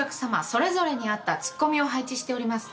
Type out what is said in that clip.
それぞれに合ったツッコミを配置しております。